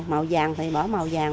màu vàng thì bỏ màu vàng